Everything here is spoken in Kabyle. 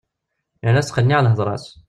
Yerna tettqenniɛ lhedra-s.